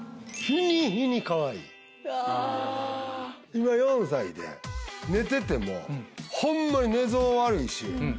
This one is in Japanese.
今４歳で寝ててもホンマに寝相悪いし。